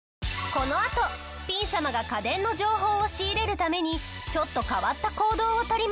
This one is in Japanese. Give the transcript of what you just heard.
このあとピン様が家電の情報を仕入れるためにちょっと変わった行動をとります。